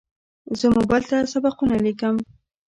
زه موبایل ته سبقونه لیکم.